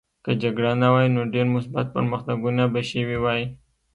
که جګړه نه وای نو ډېر مثبت پرمختګونه به شوي وای